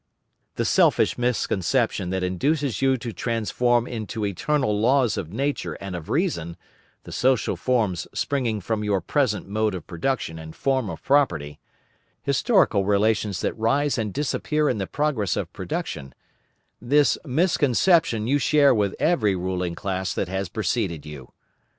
The selfish misconception that induces you to transform into eternal laws of nature and of reason, the social forms springing from your present mode of production and form of property—historical relations that rise and disappear in the progress of production—this misconception you share with every ruling class that has preceded you.